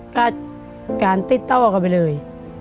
ก็การติดต้องเอากันไปเลย